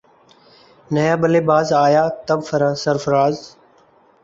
نیا بلے باز آیا تب سرفراز